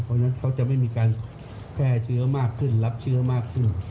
เพราะฉะนั้นเขาจะไม่มีการแพร่เชื้อมากขึ้นรับเชื้อมากขึ้น